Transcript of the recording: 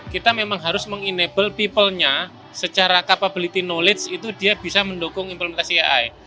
kita memang harus mengenable people nya secara capability knowledge itu dia bisa mendukung implementasi ai